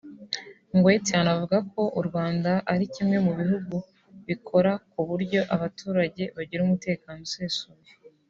Gwet anavuga ko u Rwanda ari kimwe mu bihugu bikora ku buryo abaturage bagira umutekano usesuye